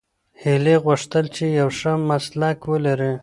هیلې غوښتل چې یو ښه مسلک ولري.